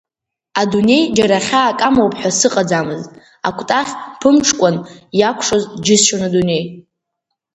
Адунеи џьара хьаак амоуп ҳәа сыҟаӡамызт, акәтаӷь ԥымҽӡкәан иакәшоз џьысшьон адунеи.